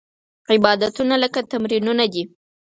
عبادتونه لکه تمرینونه دي.